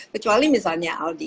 kecuali misalnya aldi